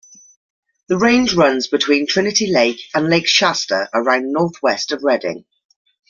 The range runs between Trinity Lake and Lake Shasta, around northwest of Redding.